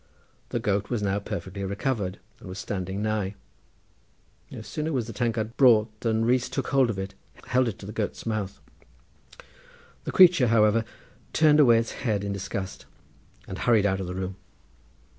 The goat was now perfectly recovered and was standing nigh. No sooner was the tankard brought than Rees, taking hold of it, held it to the goat's mouth. The creature, however, turned away its head in disgust and hurried out of the room.